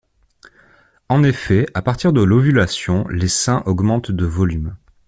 En effet, à partir de l'ovulation, les seins augmentent de volume.